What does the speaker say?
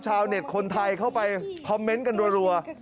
ชาวเน็ตคนไทยเข้าไปคอมเมนต์กันรัว